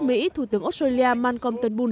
mỹ thủ tướng australia malcolm turnbull